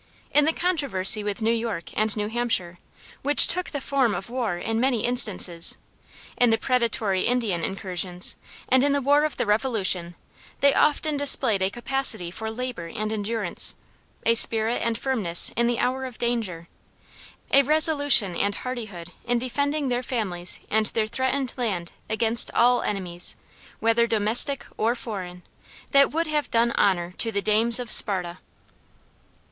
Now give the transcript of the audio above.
In the controversy with New York and New Hampshire, which took the form of war in many instances; in the predatory Indian incursions, and in the War of the Revolution, they often displayed a capacity for labor and endurance, a spirit and firmness in the hour of danger, a resolution and hardihood in defending their families and their threatened land against all enemies, whether domestic or foreign, that would have done honor to the dames of Sparta."